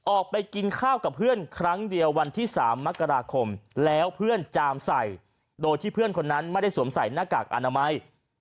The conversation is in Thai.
ออกไปกินข้าวกับเพื่อนครั้งเดียววันที่๓มกราคมแล้วเพื่อนจามใส่โดยที่เพื่อนคนนั้นไม่ได้สวมใส่หน้ากากอนามัย